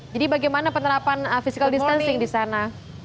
jadi bagaimana penerapan physical distancing di sana